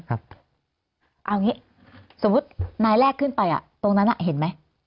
ครับเอาอย่างงี้สมมุตินายแรกขึ้นไปอ่ะตรงนั้นอ่ะเห็นไหม